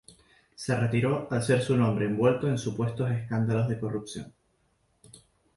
Se retiró al ser su nombre envuelto en supuestos escándalos de corrupción.